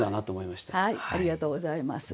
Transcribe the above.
ありがとうございます。